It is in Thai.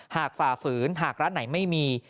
ฝ่าฝืนหากร้านไหนไม่มี